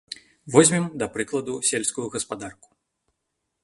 Возьмем, да прыкладу, сельскую гаспадарку.